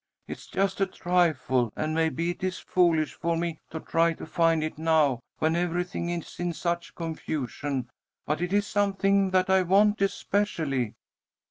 It's just a trifle, and maybe it is foolish for me to try to find it now, when everything is in such confusion, but it is something that I want especially."